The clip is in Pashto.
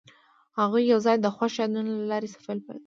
هغوی یوځای د خوښ یادونه له لارې سفر پیل کړ.